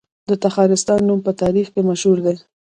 د تخارستان نوم په تاریخ کې مشهور دی